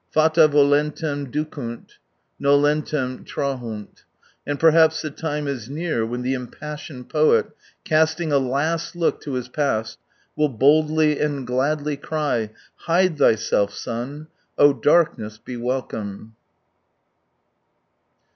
Fata volentem ducunt, nolentem trahunt. And perhaps the time is near when the impassioned poet, casting a last look to his past, will boldly and gladly cry : Hide thyself, sun ,' darkness, be welcome